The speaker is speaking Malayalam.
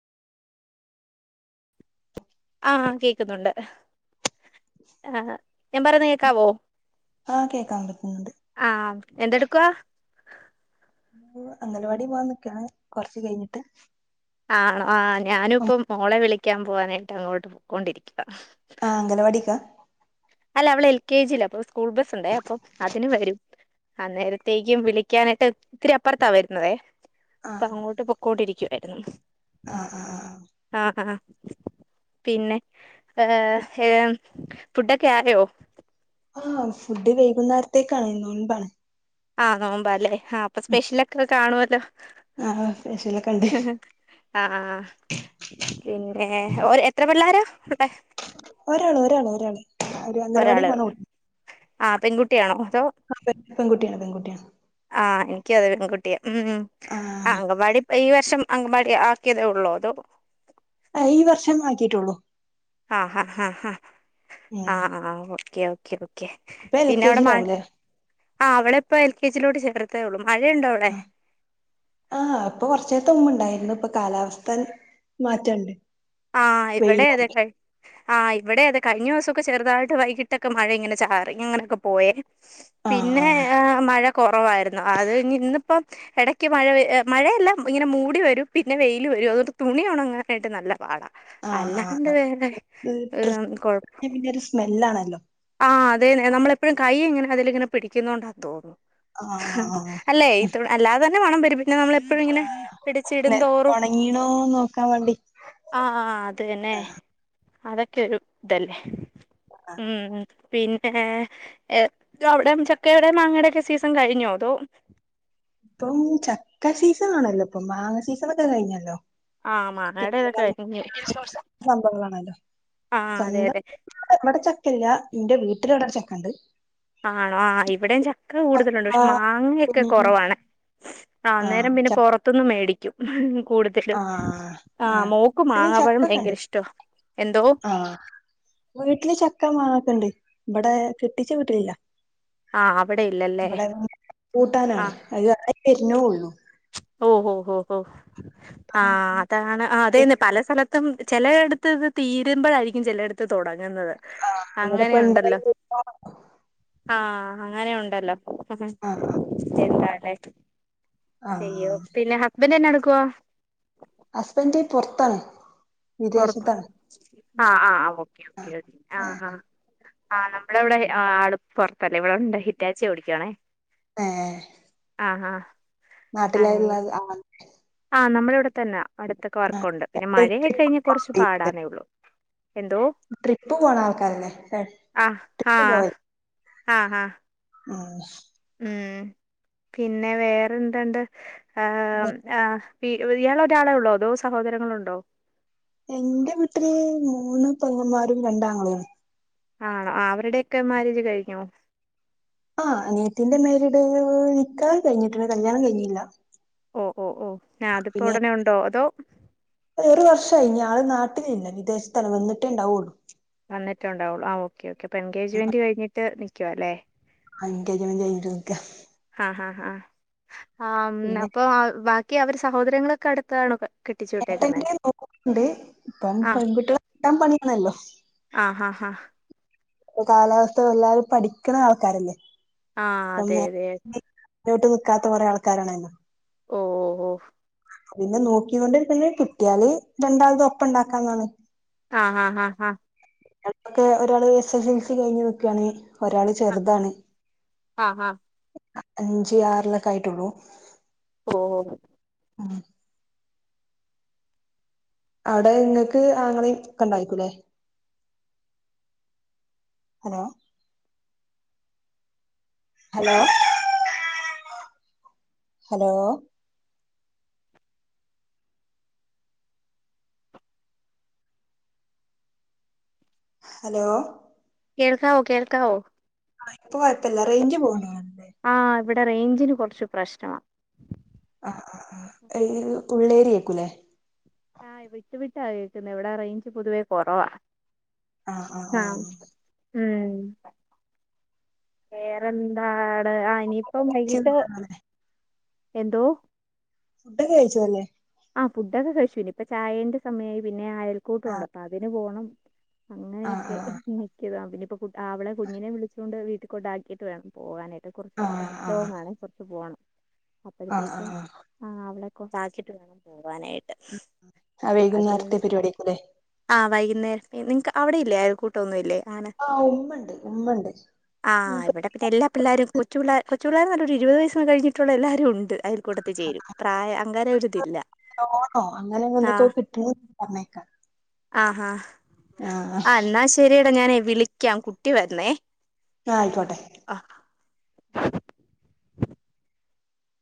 ആ കേക്കുന്നുണ്ട് ആ ഞാൻ പറയുന്ന കേക്കാവോ ആ കേക്കാൻ പറ്റ്ണ് ണ്ട് ആഹ് എന്തെടുക്കുവാ അംഗലവാടി പോവാൻ നിക്കാണ് കൊറച്ച് കഴിഞ്ഞിട്ട് ആണോ ആ ഞാന് ഇപ്പം മോളെ വിളിക്കാൻ പോവാനായിട്ട് അങ്ങോട്ട് പോക്കോണ്ടിരിക്കാ ആ അംഗലവാടിക്കാ അല്ല അവള് എൽ കെ ജി ലാ അപ്പൊ സ്കൂൾ ബസ്സ് ഉണ്ടേ അപ്പൊ അതിന് വരും ആ നേരത്തേക്കും വിളിക്കാനായിട്ട് ഒത്തിരി അപ്പുറത്താ വരുന്നതേ അപ്പൊ ആഹ് അങ്ങോട്ട് പൊക്കോണ്ടിരിക്കുവായിരുന്നു ആഹ് ആഹ് ആഹ് ആ ആ പിന്നെ ഏ ഏ ഫുഡൊക്കെ ആയോ ആഹ് ഫുഡ് വൈകുന്നേരത്തേക്കാണ് നോൽമ്പാണ് ആ നോമ്പാല്ലേ ഹാ അപ്പൊ സ്പെഷ്യൽ ഒക്കെ കാണു ആഹ് സ്പെഷ്യലൊക്കെ ഉണ്ട് ആ പിന്നെ ഓ എത്ര പിള്ളോരാ വിടെ ഒരാള് ഒരാൾ ഒരാള് ഒരു അഗലവാടി പോണേ ആ പെൺകുട്ടിയാണോ ആ പെൺുട്ടിയാണ് ആ എനിക്ക് അതെ ഒരു പെൺകുട്ടിയെ ഉം ആ ആഹ് അംഗവാടി ഈ വർഷം അങ്കമാടി ആക്കിയതേ ഉള്ളൂ അതോ ഈ വർഷം ആക്കിട്ടുള്ളു ഹാ ഹാ ഹാ ആ ഉം ഓക്കെ ഓക്കെ ഓക്കെ ഇപ്പൊ എൽ പിന്നെ കെ അവിടെ മഴ ജിയിലാവൂലേ ആ അവിടെ ഇപ്പോ എൽ കെ ജയിലോട്ട് ചേർത്തേ ഉള്ളൂ മഴയുണ്ടോ അവിടെ ആ ആ അപ്പൊ കൊറച്ചേര്ത്തെ മുമ്പ് ഉണ്ടായിരുന്നു ഇപ്പൊ കാലാവസ്ഥ മാറ്റണ്ട് ആ് ഇവിടെ വെയിലായി അതെഴ ആ് ഇവിടെ അതൊ കഴിഞ്ഞിവസംൊക്കെുതായിട്ട് വൈകിട്ടക്കെ മഴ ഇങ്ങനെ ചറി ഇങ്ങനെയൊക്കെ പോയ ആഹ് പിന്നെ ആഹ് മഴ കുറവായിരുന്നു അത് ഇന്നിപ്പം ഇടയ്ക്ക് മഴ മഴയെല്ലാം ഇങ്ങനെ മൂടി വരും പിന്നെ വെയിൽ വരും അതുകൊണ്ട് തുണിയണ അങ്ങനായിട്ട് നല്ല പാടാ ആഹ് അല്ലാണ്ട് ആ വേറെ ഡ്ര കുഴപ്പ പിന്നരു സ്മെല്ലാണല്ലോ ആ അത നളെഴും കൈ ഇങ്ങനെ അതിലിങ്ങനെ പിടിക്കുന്നു കൊണ്ടാെന്ന് തോന്നുന്നു ആഹ് ആഹ് ആഹ് അല്ലെ ഇ അല്ലാതെ തന്നെ മണം പരുമ പിന്നെ നമ്മള എപ്പോഴും ഇങ്ങനെ പിടിച്ച നെ ഇടുംന്തോറും ഒണങ്ങീണോ നോക്കാൻ വേണ്ടി ആഹ അത് തന്നെ ആഹ് അതൊക്കെരു ഇതല്ലേ ആഹ് ഉം പിന്നെ അവിടെ ചക്കടെ മാങ്ങയുടെക്കെ സീസൺ കഴിഞ്ഞോ അതോ ഇപ്പം ചക്ക സീസൺ ആണല്ലോ ഇപ്പം മാങ്ങ സീസൺൊക്കെ കഴിഞ്ഞല്ലോ ആഹ മങ്ങടെ പിന്നെ തൊക്കെ ആയി സംഭവങ്ങളാണല്ലോ സ്വന്തം എവിടെ ചക്കല്ല നിന്റെ വീട്ടില് എവിടെടെ ചക്ക ഉണ്ട് ആണോ ആ ഇവിടെയും ചക്ക കൂടുതലുണ്ട് പക്ഷെ മാങ്ങയൊക്കെ കുറവാണ് ആഹ് ആന്നേരം പിന്നെ ച പുൊറത്തുന്ന്ും മേടിക്കും കൂടുതൽ ആഹ് ആഹ ആഹ് മോക്ക് വീട്ടില് മാങ്ങപ്പോഴും ചക്കക്കെണ്ട് ഭയങ്കര ഇഷ്ടോ എന്തോ ആഹ് വീട്ടില് ചക്ക മാക്കണ്ടണ്ട് ഇവിടെ കിട്ടിച്ച വീട്ടിലില്ല ആഹ് അവിടെ ഇല്ലല്ലേ ഇവിടെ കൂട്ടാനാണ് അത് എരഞ്ഞള്ളു ഓഹോ ഹഓ ഹോ ആ അതാണ് അതെന്നെ പല സ്ഥലത്തും ചിലയിടുത്ത് ഇത് തീരുമ്പോഴായിരിക്കും ചിലയിടുത്ത് തൊട ങ്ങ അവിടെപ്പ ഇണ്ടായി അങ്ങനെയുണ്ടല്ലോ ആഹ അങ്ങനെ ഉണ്ടല്ലോ ആഹ് എന്തല്ലേ അയ്യോ ആഹ് പിന്നെ ഹസ്ബൻഡ് എന്നന്നെ നടടുക്കുവവാ ഹസ്ബന്ന്റെ പുൊറത്താണ് കൊടുത്ത ആഹ ആഹ് ഓക്കെ ആ ഓെ ആഹ് ആ ആഹ ആ് നമ്മുടെ ഇവിടെ ആപ്പൊറത്തല്ലേ ഇവിടെ ഉണ്ട് ഹിറ്റാച്ച ഓടിക്കവാണേ ആഹ ആഹ് ആഹ നാട്ടിലായിുള്ള ആ ആഹ് നമ്മടെ ഇവിടെത്തന്നെ അടുത്തൊക്കെ വർക്കുണ്ട് പിന്നെ മഴയൊക്കെ കഴിഞ്ഞാൽ കുറച്ച് പാടന്നേ ഉള്ളു ട്രിപ്പ് പോണ ആൾക്കാരല്ലേ ട്രിപ്പ് പോയ ആഹ ഹഹ ആഹ ഉം പിന്നെ വേറെന്തുണ്ട്ആ ആ ഇയാൾ ഒരാളെ ഉള്ളോ അതോ സഹോദരങ്ങളുണ്ടോ എന്റെ വീട്ടില് മൂന്ന് പങ്ങന്മാരും രണ്ടാങ്ങളമാരും ആണോ അവരുടെയൊക്കെ മാരേജ് കഴിഞ്ഞോ ആഹ അനിയത്തിന്റെ മേരിട് നിക്കാഹ് കഴിഞ്ഞിട്ടുണ്ട് കല്യാണം കഴിഞ്ഞില്ല ഓ ഓ ഓ ഞാൻ അതിപ്പോ പിന്നെ ഉടനെ ഉണ്ടോ അതോ കഴിഞ് ആള് നാട്ടിലില്ല വിദേശത്ത വന്നിട്ടേണ്ടാവുള്ളു വന്നിട്ടണ്ടാവുള്ളൂ ആ ഓക്കെ ഓക്കെപ്പൊ എൻഗേജ്മെന്റ് കഴിട്ട് നിക്കുവ അല്ലേ ആ എങ്കേജ്മെന്റ് കഴിഞ്ഞ് നിക്കാ ആ ആ ആ ആ പിന്നെ അപ്പൊ ബാക്കി അവര് സഹോദരങ്ങളൊക്കെ അടുത്താണോ കെട്ടിച്ചു വിട്ടേക്കുന്നെ [inaudible] നോക്കണ്ട് ഇപ്പം ആ പെൺകുട്ടികളെ കിട്ടാൻ പണിയാണല്ലോ ഹാ ആ കാലാവസ്ഥ വല്ലാതെ പഠിക്കണ ആൾക്കാരല്ലേ ആഹ അതെ അതെ ഞൊട്ട് നിക്കാത്ത കുറെ ആൾക്കാരാണല്ലോ ഓ ഓ ഓ പിന്നെ നോക്ക്യോണ്ടിരൂന്നെങ്കി കിട്ടിയാല് രണ്ടാൾതും ഒപ്പണ്ടാക്കാന്നാണ് ആ ഹാ ഹ അ മക്കളൊക്കെ ഒരാള് എസ് എസ് എൽസി കഴിഞ്ഞ് നിക്കാണ് ഒരാള് ചെറുതാണ് ആ ഹ അഞ്ച് ആറിലൊക്കായിട്ടുള്ളൂ ഓഓ ആ അവിടെ നിങ്ങക്ക് ആങ്ങളയൊക്കണ്ടായിക്കൂല്ലേ ഹലോ ഹലോ ഹലോ ഹലോ കേൾക്കാവോ കേൾക്കാവോ ആ ഇപ്പൊ കൊയപ്പല്ല റേഞ്ച് പോവാണ് ആ ഇവിടെ റേഞ്ചിന് കുറച്ച് പ്രശ്നാ ആ ആ ആ [unintelligible] ഉള്ളേരിയക്കൂല്ലേ ആ വിട്ടു വിട്ടാ കേക്കുന്നത് ഇവിടെ റേഞ്ച് പൊതുവേ കൊറവാ ആ ആ ആ ഉം വേറെന്താ ത് ആ ഇനിയിപ്പം വൈകിട്ട് എന്തോ ഫുഡൊക്കെ കഴിച്ചു അല്ലേ ആ ഫുഡൊക്കെ കഴിച്ചു ഇനിപ്പം ഛായേൻ്റെ സമയായി പിന്നെ അയൽക്കൂട്ടൊണ്ട് ആഹ് അപ്പതിന് പോണം ആഹ് അങ്ങനെയൊക്കെ ആഹ് നിക്ക്ന്ന് പിന്നിപ്പം കുട്ട് അവളെ കുഞ്ഞിനെ വിളിച്ചു കൊണ്ട് വീട്ടിൽ കൊണ്ടാക്കിയിട്ട് വേണം പോകാനായിട്ട് ത് കൊറച്ച് ആഹ് ആഹ് ലോങ്ങാണേ കുറച്ച് പോണം ആഹ് അപ്പോഴത്തേക്കും ആഹ് അവളെ കൊണ്ടാക്കിട്ട് വേണം പോവാനായിട്ട് ആ അത് കൊണ്ട് വൈകുന്നേരത്തെ പരിപാടിയാക്കുല്ലേ ആ വൈകി നേരത്തെ നിങ്‌ക്ക് അവിടെയില്ലേ അയാൽ കൂട്ടൊന്നുല്ലേ ആണ് ആഹ് ഉമ്മണ്ട് ഉമ്മണ്ട് ആ മൂപ്പർക്ക് ഇവടെ പിന്നെ എല്ലാ പിള്ളാരും കൊച്ചുപി ള്ള കൊച്ചു പിള്ളേര് പറഞ്ഞ ഒരു ഇരുപതുവയസ് കഴിഞ്ഞിട്ടുള്ള എല്ലാവരും ഉണ്ട് അയൽ കൂട്ടത്തി ചേരും പ്രായ അങ്കാരം ഒരിതില്ല ലോണോ അങ്ങനെ എന്തൊക്കെ ആഹ് കിട്ടുന്ന പറഞ്ഞേക്കാം ആഹാ ആഹ് ആ എന്നാ ശരിടാ ഞാനേ വിളിക്കാം കുട്ടി വരുന്നേ ആ ആയിക്കോട്ടെ ആ